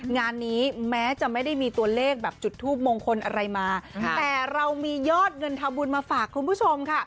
งานนี้แม้จะไม่ได้มีตัวเลขแบบจุดทูปมงคลอะไรมาแต่เรามียอดเงินทำบุญมาฝากคุณผู้ชมค่ะ